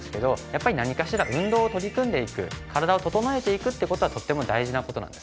やっぱり何かしら運動に取り組んでいく体を整えていくって事はとっても大事な事なんですね。